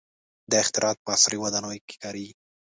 • دا اختراعات په عصري ودانیو کې کارېږي.